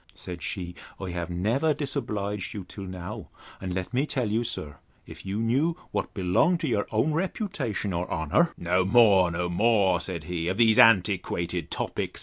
Said she, I have never disobliged you till now; and let me tell you, sir, if you knew what belonged to your own reputation or honour—No more, no more, said he, of these antiquated topics.